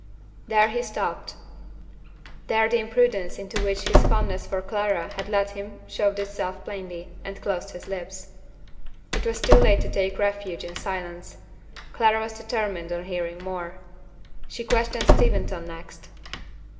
There he stopped. There the imprudence into which his fondness for Clara had led him showed itself plainly, and closed his lips. It was too late to take refuge in silence. Clara was determined on hearing more. She questioned Steventon next.